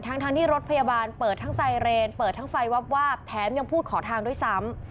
ทั้งที่รถพยาบาลเปิดทั้งไซเรนเปิดทั้งไฟวับวาบแถมยังพูดขอทางด้วยซ้ำ